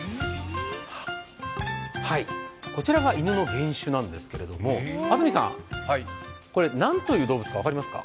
こちらが犬の原種なんですけれども、安住さん、これ何という動物か分かりますか？